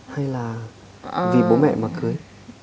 hay là vì bố mẹ mà cưới